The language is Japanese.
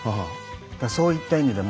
だからそういった意味でも。